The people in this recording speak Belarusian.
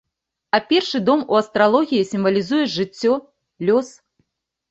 А першы дом у астралогіі сімвалізуе жыццё, лёс.